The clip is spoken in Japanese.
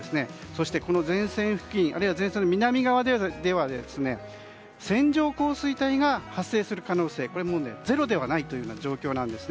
そして、この前線付近あるいは前線の南側では線状降水帯が発生する可能性がゼロではないという状況なんです。